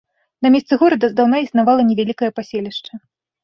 На месцы горада здаўна існавала невялікае паселішча.